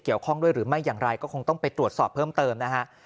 ข้อด้วยหรือไม่อย่างไรก็คงต้องไปตรวจสอบเพิ่มเติมนะฮะ